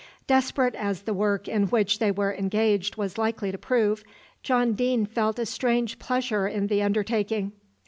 Desperate as the work in which they were engaged was likely to prove, John Deane felt a strange pleasure in the undertaking.